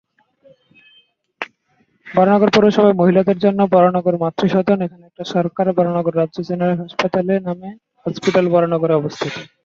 বরানগর পৌরসভায় মহিলাদের জন্য "বরানগর মাতৃ সদন" এখানে একটা সরকার "বরানগর রাজ্য জেনারেল হাসপাতালে" নামে হসপিটাল বরানগর এ অবস্থিত।